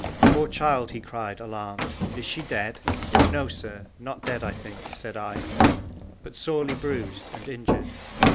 'Poor child,' he cried, alarmed, 'is she dead?' 'No, sir; not dead, I think,' said I, 'but sorely bruised and injured.'